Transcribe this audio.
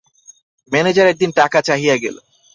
Manager একদিন টাকা চাহিয়া গেল।